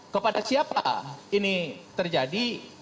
kepada siapa ini terjadi